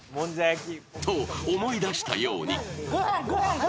［と思い出したように］